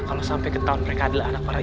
kalau sampai ketahuan mereka adalah anak para ij